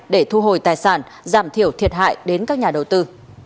để thu hồi tài sản giảm thiểu thiệt hại đến các nhà đầu tư